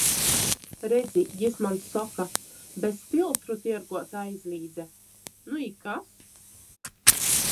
Redzi, – jis maņ soka, – bez filtru tierguot aizlīdze... Nu I kas?